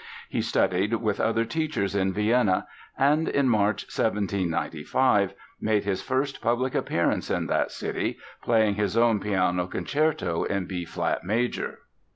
He studied with other teachers in Vienna and in March 1795, made his first public appearance in that city, playing his own piano concerto in B flat major.